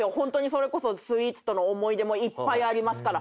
それこそスイーツとの思い出もいっぱいありますから。